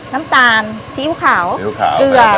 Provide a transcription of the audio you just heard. น้ำตาลซีอิ๊วขาวเกลือ